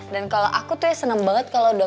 dan kalau aku tuh ya seneng banget kalau udah menang